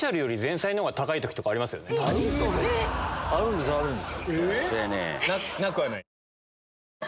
えっ⁉あるんですあるんです。